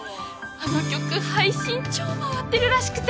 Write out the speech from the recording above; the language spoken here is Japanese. あの曲配信超回ってるらしくて。